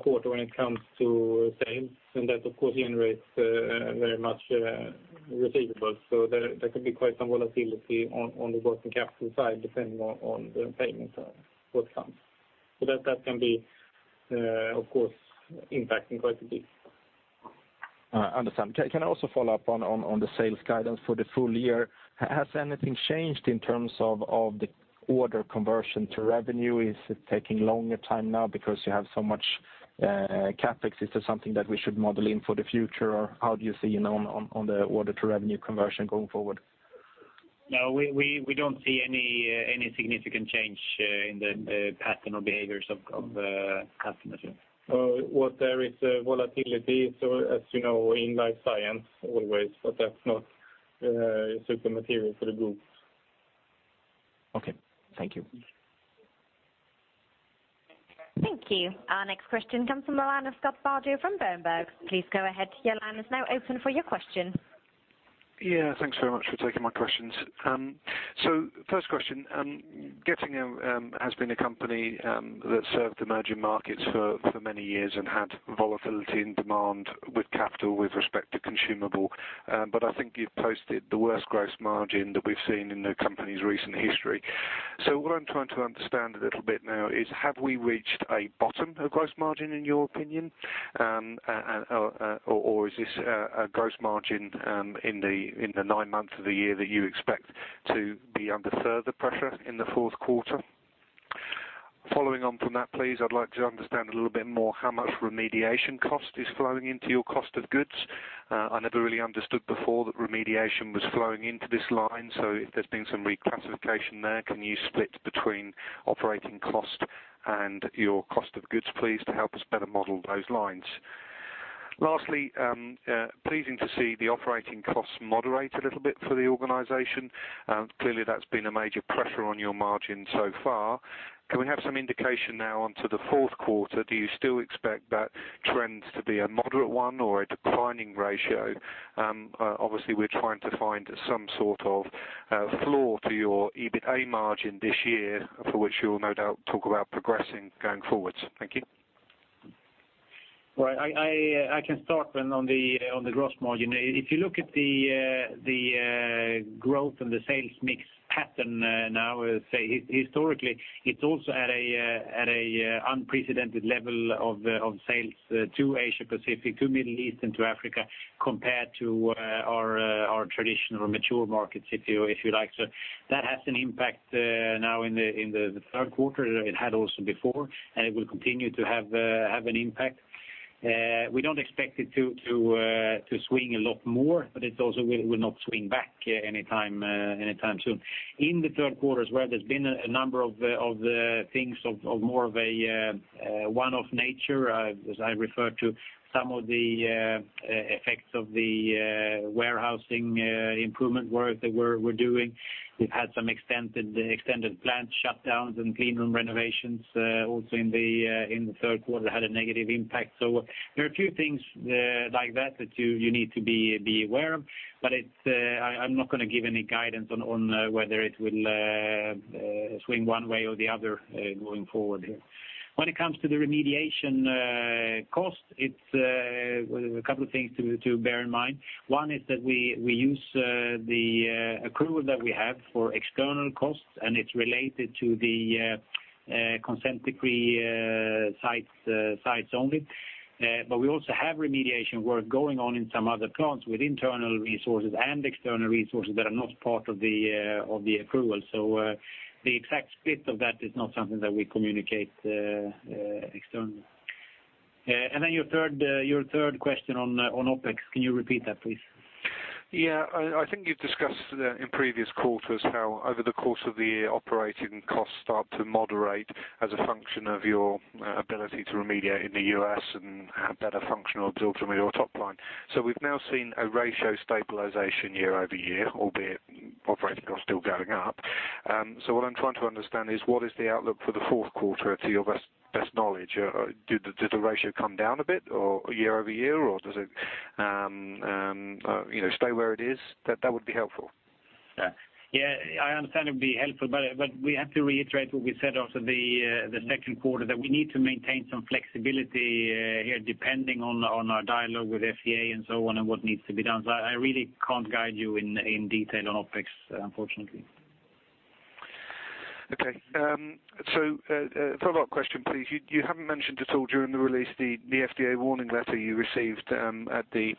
quarter when it comes to sales, and that, of course, generates very much receivables. So there could be quite some volatility on the working capital side, depending on the payments outcomes. So that can be, of course, impacting quite a bit. Understand. Can I also follow up on the sales guidance for the full year? Has anything changed in terms of the order conversion to revenue? Is it taking longer time now because you have so much CapEx? Is this something that we should model in for the future, or how do you see, you know, on the order-to-revenue conversion going forward? No, we don't see any significant change in the pattern or behaviors of customers here. What there is, volatility, so as you know, in Life Science always, but that's not super material for the group. Okay, thank you. Thank you. Our next question comes from Scott Bardo from Berenberg. Please go ahead, your line is now open for your question. Yeah, thanks very much for taking my questions. So first question, Getinge has been a company that served emerging markets for many years and had volatility in demand with capital with respect to consumable. But I think you've posted the worst gross margin that we've seen in the company's recent history. So what I'm trying to understand a little bit now is, have we reached a bottom of gross margin, in your opinion? And or is this a gross margin in the nine months of the year that you expect to be under further pressure in the Q4? Following on from that, please, I'd like to understand a little bit more how much remediation cost is flowing into your cost of goods. I never really understood before that remediation was flowing into this line, so if there's been some reclassification there, can you split between operating cost and your cost of goods, please, to help us better model those lines? Lastly, pleasing to see the operating costs moderate a little bit for the organization. Clearly, that's been a major pressure on your margin so far. Can we have some indication now onto the Q4, do you still expect that trend to be a moderate one or a declining ratio? Obviously, we're trying to find some sort of floor to your EBITDA margin this year, for which you will no doubt talk about progressing going forwards. Thank you. Well, I can start with on the gross margin. If you look at the growth and the sales mix pattern, now, say, historically, it's also at a unprecedented level of sales to Asia Pacific, to Middle East, and to Africa, compared to our traditional or mature markets, if you like. So that has an impact, now in the Q3. It had also before, and it will continue to have an impact. We don't expect it to swing a lot more, but it also will not swing back anytime soon. In the Q3 as well, there's been a number of things of more of a one-off nature, as I referred to some of the effects of the warehousing improvement work that we're doing. We've had some extended plant shutdowns and clean room renovations, also in the Q3 had a negative impact. So there are a few things like that that you need to be aware of, but it's... I'm not gonna give any guidance on whether it will swing one way or the other going forward here. When it comes to the remediation cost, it's well, there's a couple of things to bear in mind. One is that we use the accrual that we have for external costs, and it's related to the Consent Decree sites only. But we also have remediation work going on in some other plants with internal resources and external resources that are not part of the approval. So, the exact split of that is not something that we communicate externally. And then your third question on OpEx, can you repeat that, please? Yeah. I, I think you've discussed in previous quarters how over the course of the year, operating costs start to moderate as a function of your ability to remediate in the U.S. and have better functional absorption with your top line. So we've now seen a ratio stabilization year-over-year, albeit operating costs still going up. So what I'm trying to understand is, what is the outlook for the Q4, to your best, best knowledge? Did the ratio come down a bit or year-over-year, or does it, you know, stay where it is? That, that would be helpful. Yeah. Yeah, I understand it would be helpful, but we have to reiterate what we said after the Q2, that we need to maintain some flexibility here, depending on our dialogue with FDA and so on, and what needs to be done. So I really can't guide you in detail on OpEx, unfortunately. Okay, so, follow-up question, please. You haven't mentioned at all during the release the FDA warning letter you received at the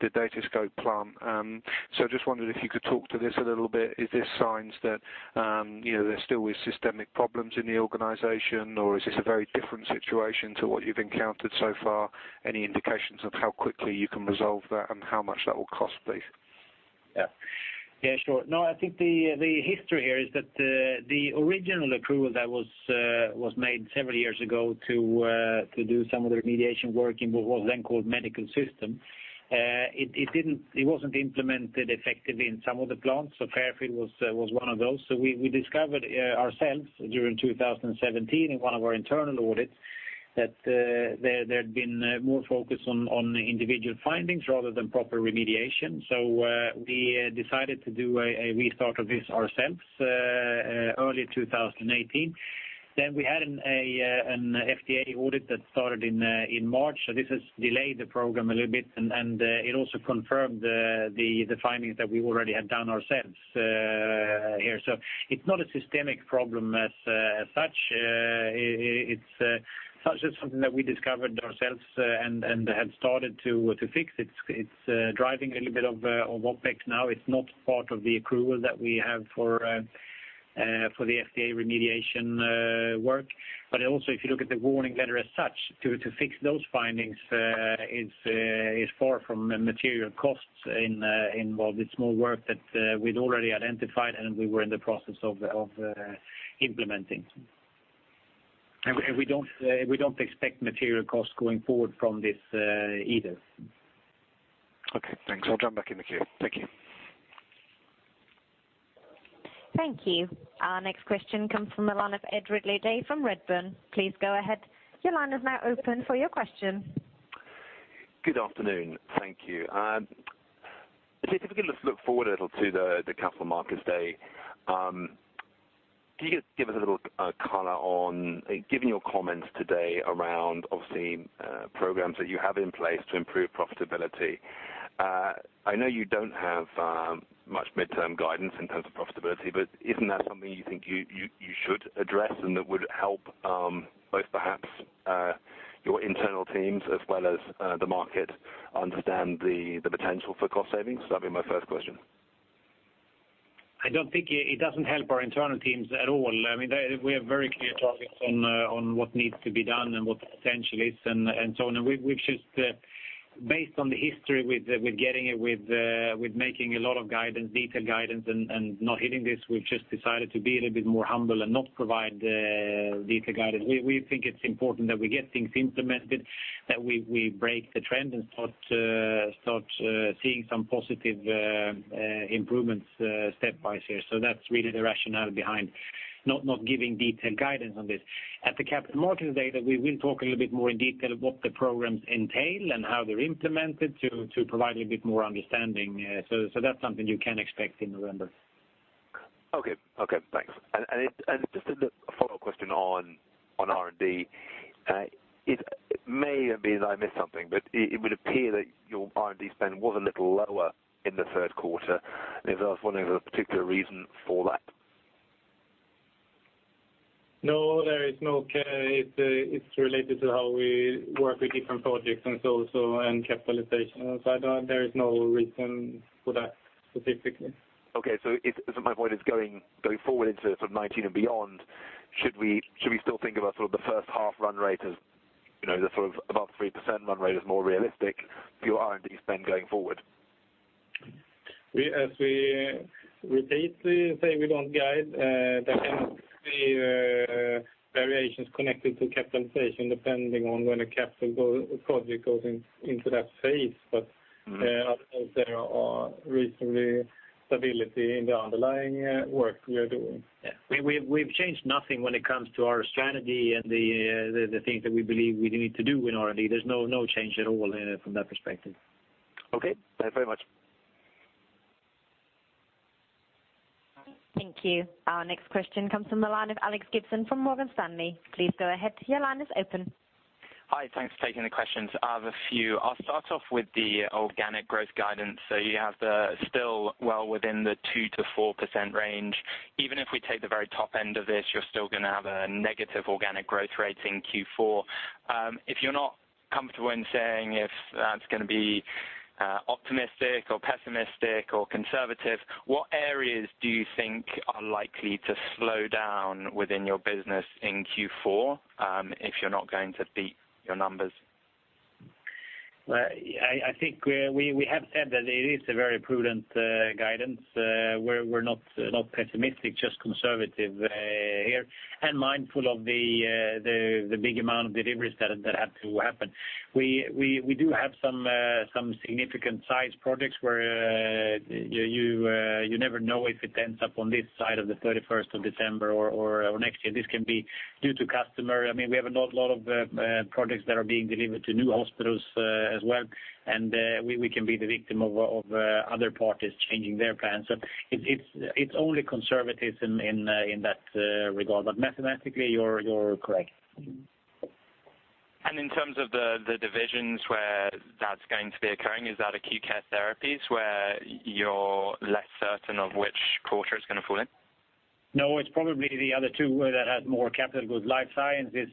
Datascope plant. So just wondered if you could talk to this a little bit. Is this signs that, you know, there's still with systemic problems in the organization, or is this a very different situation to what you've encountered so far? Any indications of how quickly you can resolve that and how much that will cost, please?... Yeah, yeah, sure. No, I think the, the history here is that the, the original approval that was, was made several years ago to, to do some of the remediation work in what was then called Medical Systems, it, it didn't -- it wasn't implemented effectively in some of the plants, so Fairfield was, was one of those. So we, we discovered, ourselves during 2017 in one of our internal audits, that, there, there had been, more focus on, on individual findings rather than proper remediation. So, we, decided to do a, a restart of this ourselves, early 2018. Then we had an, a, an FDA audit that started in, in March. So this has delayed the program a little bit, and it also confirmed the findings that we already had done ourselves, here. So it's not a systemic problem as such, it's such as something that we discovered ourselves, and had started to fix. It's driving a little bit of OpEx now. It's not part of the approval that we have for the FDA remediation work. But also, if you look at the warning letter as such, to fix those findings is far from material costs in, in well, it's more work that we'd already identified, and we were in the process of implementing. And we don't expect material costs going forward from this, either. Okay, thanks. I'll jump back in the queue. Thank you. Thank you. Our next question comes from the line of Ed Ridley-Day from Redburn. Please go ahead. Your line is now open for your question. Good afternoon. Thank you. If we can just look forward a little to the Capital Markets Day, can you just give us a little color on, given your comments today around obviously programs that you have in place to improve profitability, I know you don't have much midterm guidance in terms of profitability, but isn't that something you think you should address, and that would help both perhaps your internal teams as well as the market understand the potential for cost savings? That'd be my first question. I don't think it doesn't help our internal teams at all. I mean, we have very clear targets on what needs to be done and what the potential is, and so on. We've just, based on the history with Getinge with making a lot of guidance, detailed guidance and not hitting this, we've just decided to be a little bit more humble and not provide detailed guidance. We think it's important that we get things implemented, that we break the trend and start seeing some positive improvements stepwise here. So that's really the rationale behind not giving detailed guidance on this. At the Capital Markets Day, that we will talk a little bit more in detail of what the programs entail and how they're implemented, to provide a little bit more understanding. So that's something you can expect in November. Okay. Okay, thanks. And just a follow-up question on R&D. It may have been that I missed something, but it would appear that your R&D spend was a little lower in the Q3, and if there was a particular reason for that? No, there is no. It's related to how we work with different projects and so, so, and capitalization. So I don't. There is no reason for that specifically. Okay, so my point is going forward into sort of 2019 and beyond, should we still think about sort of the first half run rate as, you know, the sort of above 3% run rate is more realistic for your R&D spend going forward? We, as we repeatedly say, we don't guide. There can be variations connected to capitalization, depending on when a capital project goes in, into that phase. Mm-hmm. There are recently stability in the underlying work we are doing. Yeah. We've changed nothing when it comes to our strategy and the things that we believe we need to do in R&D. There's no change at all from that perspective. Okay. Thanks very much. Thank you. Our next question comes from the line of Alex Gibson from Morgan Stanley. Please go ahead, your line is open. Hi, thanks for taking the questions. I have a few. I'll start off with the organic growth guidance. So you have the, still well within the 2%-4% range. Even if we take the very top end of this, you're still gonna have a negative organic growth rate in Q4. If you're not comfortable in saying if that's gonna be optimistic or pessimistic or conservative, what areas do you think are likely to slow down within your business in Q4, if you're not going to beat your numbers? Well, I think we have said that it is a very prudent guidance. We're not pessimistic, just conservative here, and mindful of the big amount of deliveries that have to happen. We do have some significant size projects where you never know if it ends up on this side of the thirty-first of December or next year. This can be due to customer. I mean, we have a lot of projects that are being delivered to new hospitals as well, and we can be the victim of other parties changing their plans. So it's only conservatism in that regard, but mathematically, you're correct. In terms of the divisions where that's going to be occurring, is that Acute Care Therapies, where you're less certain of which quarter it's going to fall in? No, it's probably the other two that have more capital goods. Life Science is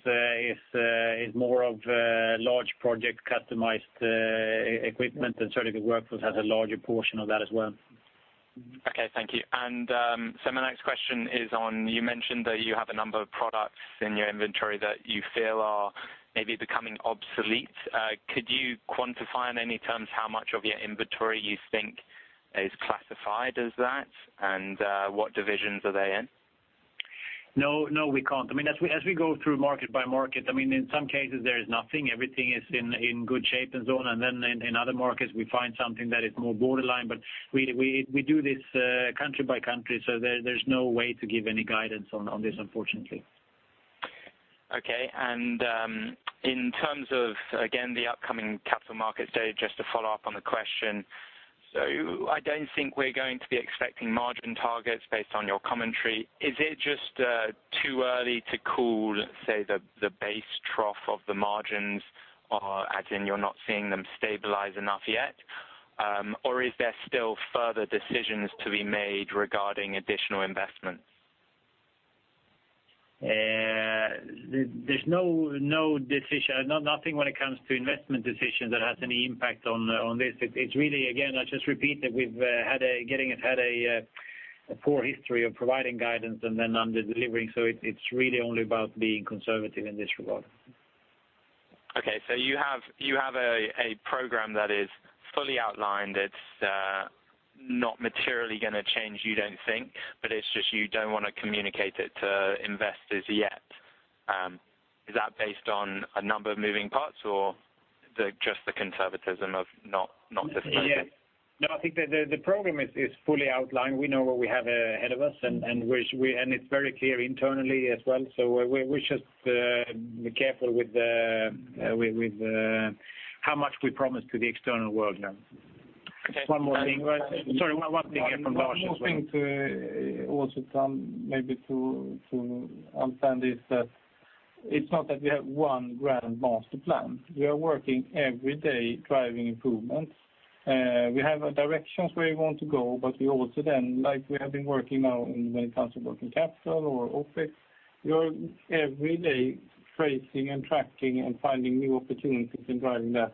more of large project, customized equipment, and Surgical Workflows has a larger portion of that as well.... Okay, thank you. And, so my next question is on, you mentioned that you have a number of products in your inventory that you feel are maybe becoming obsolete. Could you quantify in any terms how much of your inventory you think is classified as that? And, what divisions are they in? No, no, we can't. I mean, as we go through market by market, I mean, in some cases, there is nothing. Everything is in good shape and so on. And then in other markets, we find something that is more borderline, but we do this country by country, so there's no way to give any guidance on this, unfortunately. Okay. And, in terms of, again, the upcoming Capital Markets Day, just to follow up on the question, so I don't think we're going to be expecting margin targets based on your commentary. Is it just too early to call, say, the base trough of the margins, or as in you're not seeing them stabilize enough yet? Or is there still further decisions to be made regarding additional investments? There's no decision, nothing when it comes to investment decisions that has any impact on this. It's really, again, I just repeat, that we've had a Getinge has had a poor history of providing guidance and then under-delivering, so it's really only about being conservative in this regard. Okay, so you have a program that is fully outlined. It's not materially gonna change, you don't think, but it's just you don't wanna communicate it to investors yet. Is that based on a number of moving parts or just the conservatism of not disclosing? Yes. No, I think the program is fully outlined. We know what we have ahead of us, and it's very clear internally as well, so we're just careful with how much we promise to the external world now. Okay. One more thing. Sorry, one thing from Lars as well. One more thing to also, Tom, maybe to, to understand is that it's not that we have one grand master plan. We are working every day, driving improvements. We have a directions where we want to go, but we also then, like we have been working now when it comes to working capital or OpEx, we are every day tracing and tracking and finding new opportunities and driving that,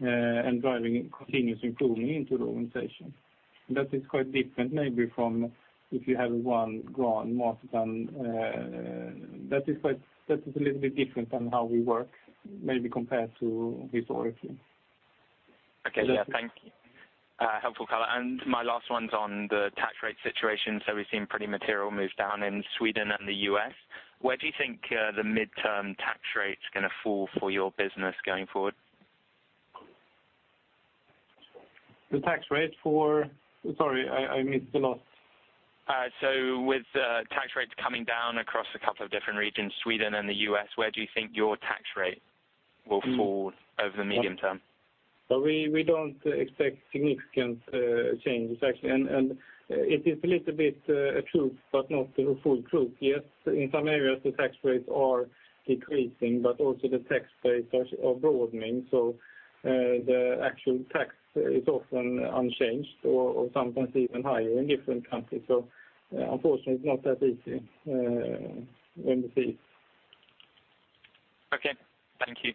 and driving continuous improvement into the organization. That is quite different, maybe, from if you have one grand master plan. That is quite, that is a little bit different than how we work, maybe compared to historically. Okay, yeah. Thank you. Helpful color. And my last one's on the tax rate situation. So we've seen pretty material move down in Sweden and the U.S. Where do you think the midterm tax rate's gonna fall for your business going forward? The tax rate for... Sorry, I, I missed the last. So with tax rates coming down across a couple of different regions, Sweden and the U.S., where do you think your tax rate will fall over the medium term? Well, we don't expect significant changes, actually. And it is a little bit true, but not the full truth, yes. In some areas, the tax rates are decreasing, but also the tax base are broadening, so the actual tax is often unchanged or sometimes even higher in different countries. So, unfortunately, it's not that easy when we see it. Okay, thank you.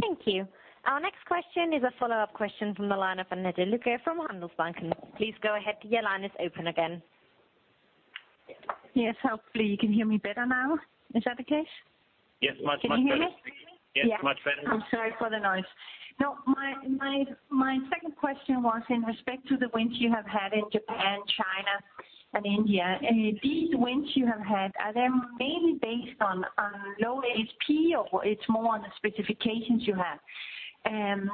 Thank you. Our next question is a follow-up question from the line of Annette Lykke from Handelsbanken. Please go ahead. Your line is open again. Yes, hopefully you can hear me better now. Is that the case? Yes, much, much better. Can you hear me? Yes, much better now. I'm sorry for the noise. Now, my second question was in respect to the wins you have had in Japan, China, and India. These wins you have had, are they mainly based on low ASP, or it's more on the specifications you have? And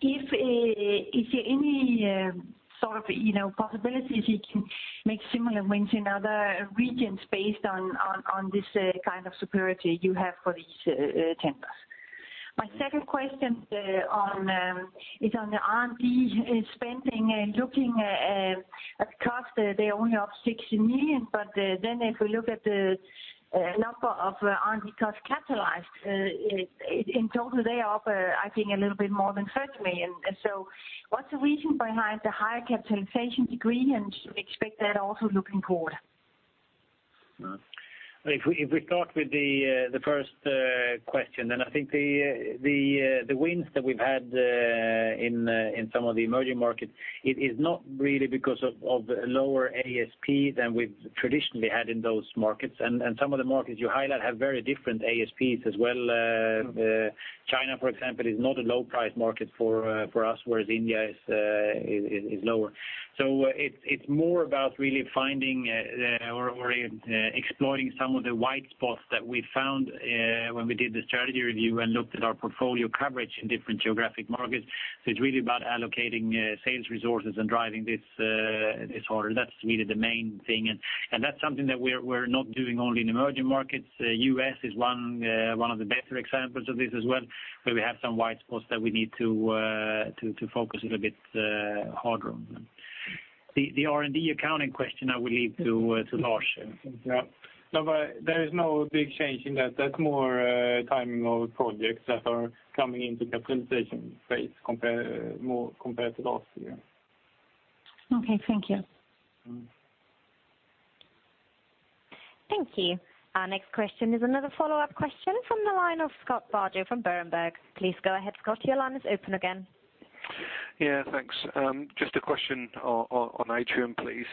if you have any sort of, you know, possibilities you can make similar wins in other regions based on this kind of superiority you have for these tenders. My second question is on the R&D spending and looking at cost, they're only up 60 million, but then if we look at the number of R&D costs capitalized in total, they are up, I think, a little bit more than 30 million. And so what's the reason behind the higher capitalization degree, and should we expect that also looking forward? If we start with the first question, then I think the wins that we've had in some of the emerging markets, it is not really because of lower ASP than we've traditionally had in those markets. And some of the markets you highlight have very different ASPs as well. China, for example, is not a low-price market for us, whereas India is lower. So it's more about really finding or exploring some of the white spots that we found when we did the strategy review and looked at our portfolio coverage in different geographic markets. So it's really about allocating sales resources and driving this harder. That's really the main thing, and that's something that we're not doing only in emerging markets. U.S. is one of the better examples of this as well, where we have some white spots that we need to focus a little bit harder on them. The R&D accounting question I will leave to Lars. Yeah. No, but there is no big change in that. That's more, timing of projects that are coming into capitalization phase compared to last year. Okay, thank you. Mm-hmm.... Thank you. Our next question is another follow-up question from the line of Scott Bardo from Berenberg. Please go ahead, Scott, your line is open again. Yeah, thanks. Just a question on Atrium, please,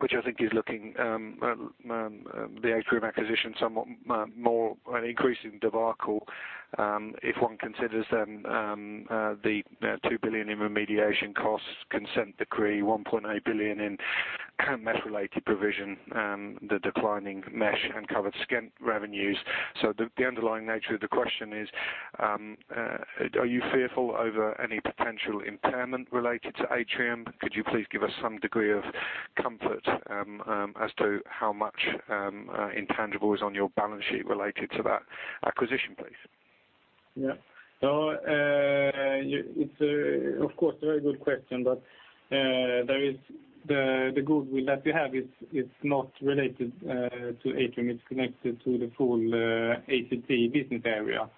which I think is looking the Atrium acquisition somewhat more an increasing debacle. If one considers then the 2 billion in remediation costs, Consent Decree, 1.8 billion in mesh-related provision, the declining mesh and covered stent revenues. So the underlying nature of the question is, are you fearful over any potential impairment related to Atrium? Could you please give us some degree of comfort, as to how much intangible is on your balance sheet related to that acquisition, please? Yeah. So, it's, of course, a very good question, but there is the goodwill that we have is not related to Atrium. It's connected to the full ACT business area,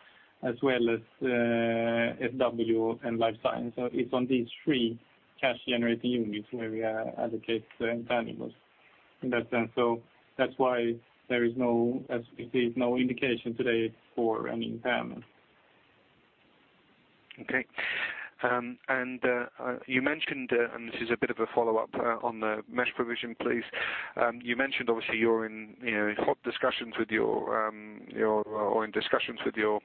as well as SW and Life Science. So it's on these three cash-generating units where we are advocating tangibles. In that sense, so that's why there is no, as we see, no indication today for any impairment. Okay, and you mentioned, and this is a bit of a follow-up on the mesh provision, please. You mentioned obviously, you're in, you know, in hot discussions with your or in discussions with your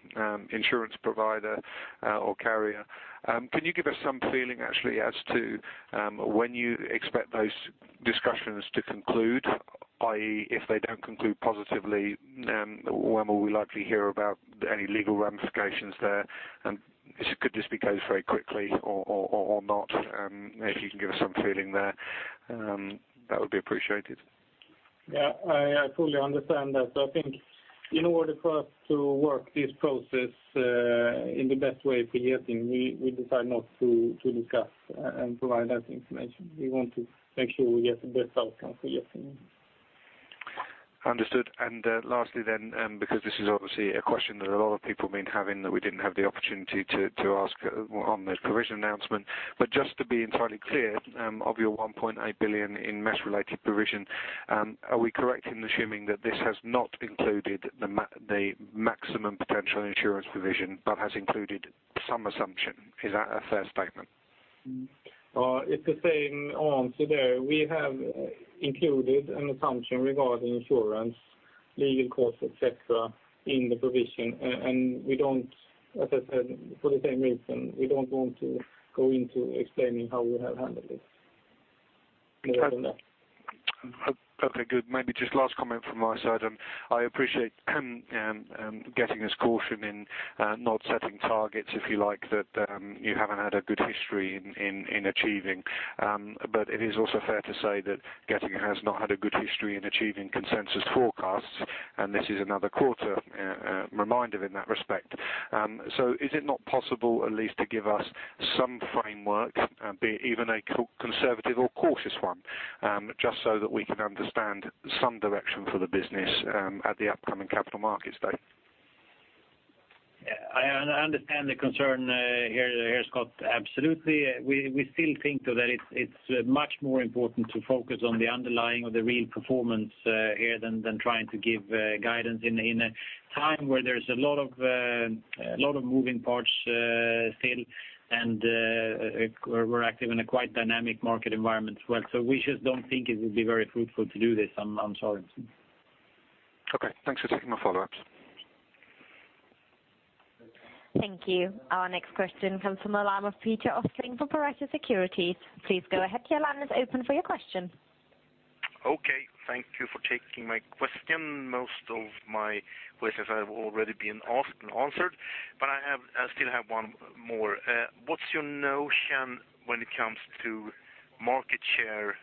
insurance provider or carrier. Can you give us some feeling, actually, as to when you expect those discussions to conclude? I.e., if they don't conclude positively, when will we likely hear about any legal ramifications there? And could this be closed very quickly or not? If you can give us some feeling there, that would be appreciated. Yeah, I fully understand that. So I think in order for us to work this process in the best way for Getinge, we decide not to discuss and provide that information. We want to make sure we get the best outcome for Getinge. Understood. And lastly then, because this is obviously a question that a lot of people have been having, that we didn't have the opportunity to ask on the provision announcement. But just to be entirely clear, of your 1.8 billion in mesh-related provision, are we correct in assuming that this has not included the maximum potential insurance provision, but has included some assumption? Is that a fair statement? It's the same answer there. We have included an assumption regarding insurance, legal costs, et cetera, in the provision, and we don't... As I said, for the same reason, we don't want to go into explaining how we have handled this more than that. Okay, good. Maybe just last comment from my side. I appreciate Getinge's caution in not setting targets, if you like, that you haven't had a good history in achieving. But it is also fair to say that Getinge has not had a good history in achieving consensus forecasts, and this is another quarter reminder in that respect. So is it not possible at least to give us some framework, be it even a conservative or cautious one, just so that we can understand some direction for the business at the upcoming Capital Markets Day? Yeah, I understand the concern here, Scott, absolutely. We still think, though, that it's much more important to focus on the underlying or the real performance here, than trying to give guidance in a time where there's a lot of moving parts still, and we're active in a quite dynamic market environment as well. So we just don't think it would be very fruitful to do this. I'm sorry. Okay, thanks for taking my follow-ups. Thank you. Our next question comes from the line of Peter Östling from Pareto Securities. Please go ahead, your line is open for your question. Okay, thank you for taking my question. Most of my questions have already been asked and answered, but I have, I still have one more. What's your notion when it comes to market share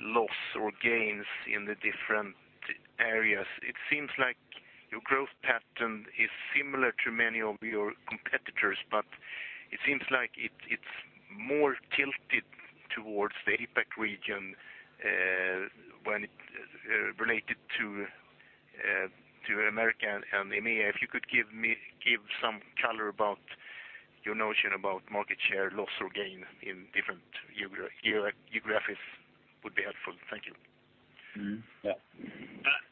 loss or gains in the different areas? It seems like your growth pattern is similar to many of your competitors, but it seems like it's more tilted towards the APAC region when it related to America and EMEA. If you could give me some color about your notion about market share loss or gain in different geographies would be helpful. Thank you. Mm-hmm. Yeah.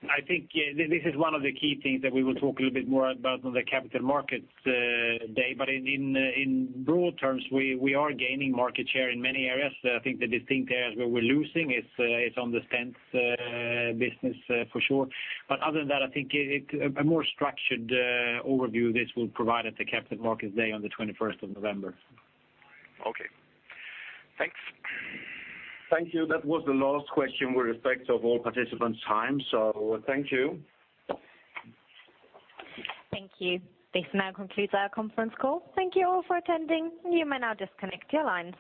I think, yeah, this is one of the key things that we will talk a little bit more about on the Capital Markets Day. But in broad terms, we are gaining market share in many areas. I think the distinct areas where we're losing is on the stents business, for sure. But other than that, I think a more structured overview of this we'll provide at the Capital Markets Day on the 21st of November. Okay. Thanks. Thank you. That was the last question with respect to all participants' time, so thank you. Thank you. This now concludes our conference call. Thank you all for attending. You may now disconnect your lines.